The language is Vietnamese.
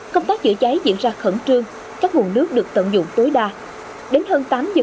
công tác chữa cháy diễn ra khẩn trương các nguồn nước được tận dụng tối đa đến hơn tám giờ